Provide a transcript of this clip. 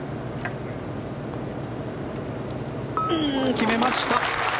決めました！